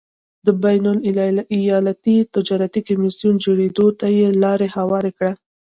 بین الایالتي تجارتي کمېسیون جوړېدو ته یې لار هواره کړه.